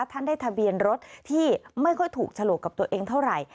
ท่านได้ทะเบียนรถที่ไม่ค่อยถูกฉลกกับตัวเองเท่าไหร่